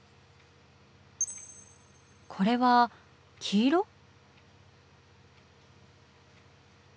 これは黄色？